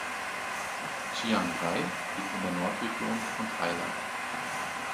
Chiang Rai liegt in der Nordregion von Thailand.